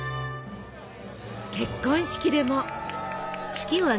結婚式でも。